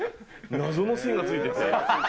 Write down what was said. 謎の線がついてて。